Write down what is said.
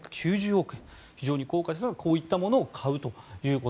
非常に高価ですがこういったものを買うと。